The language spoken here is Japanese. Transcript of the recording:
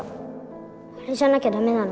あれじゃなきゃ駄目なの。